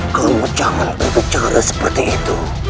kamu jangan berbicara seperti itu